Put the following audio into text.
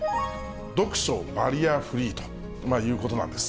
読書バリアフリーということなんです。